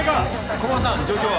駒場さん状況は？